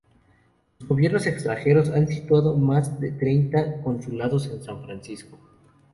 Los gobiernos extranjeros han situado más de treinta consulados en San Francisco.